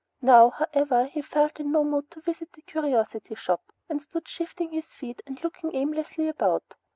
Now, however, he felt in no mood to visit the curiosity shop and stood shifting his feet and looking aimlessly about.